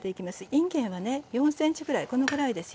いんげんはね４ｃｍぐらいこのぐらいですよ。